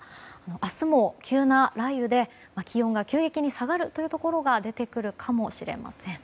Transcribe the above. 明日も急な雷雨で気温が急激に下がるというところが出てくるかもしれません。